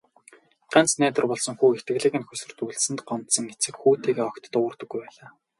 Ганц найдвар болсон хүү итгэлийг нь хөсөрдүүлсэнд гомдсон эцэг хүүтэйгээ огт дуугардаггүй байлаа.